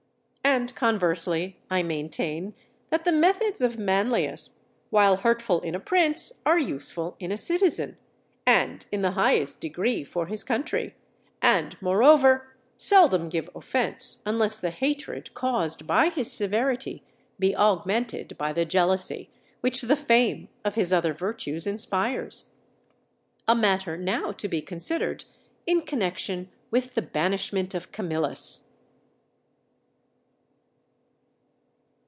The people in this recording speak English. And conversely, I maintain, that the methods of Manlius, while hurtful in a prince are useful in a citizen, and in the highest degree for his country; and, moreover, seldom give offence, unless the hatred caused by his severity be augmented by the jealousy which the fame of his other virtues inspires: a matter now to be considered in connection with the banishment of Camillas.